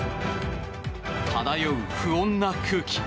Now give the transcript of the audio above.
漂う不穏な空気。